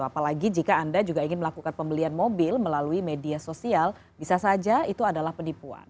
apalagi jika anda juga ingin melakukan pembelian mobil melalui media sosial bisa saja itu adalah penipuan